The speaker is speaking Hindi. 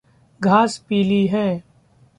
घास पीली है।